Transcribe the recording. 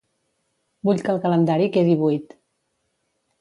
Vull que el calendari quedi buit.